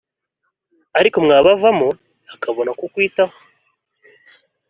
ariko mwabavamo akabona kukwitaho